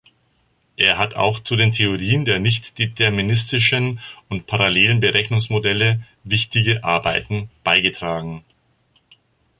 Er hat auch zu den Theorien der nichtdeterministischen und parallelen Berechnungsmodelle wichtige Arbeiten beigetragen.